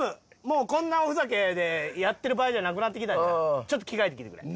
もうこんなおふざけでやってる場合じゃなくなってきたからちょっと着替えてきてくれ。